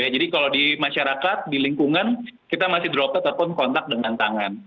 jadi kalau di masyarakat di lingkungan kita masih droplet ataupun kontak dengan tangan